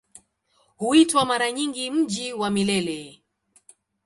Huitwa mara nyingi "Mji wa Milele".